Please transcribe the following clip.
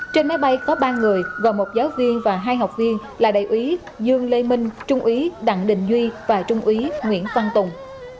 trên máy bay có ba người gồm một giáo viên và hai học viên là đại úy dương lê minh trung úy đặng đình duy và trung úy nguyễn văn tùng